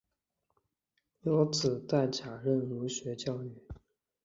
有子戴槚任儒学教谕。